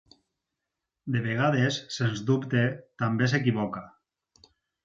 De vegades, sens dubte, també s'equivoca.